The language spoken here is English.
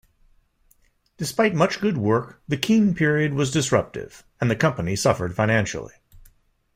Despite much good work, the Kean period was disruptive and the company suffered financially.